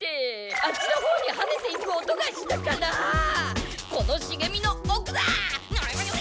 あっちのほうにはねていく音がしたからこのしげみのおくだ！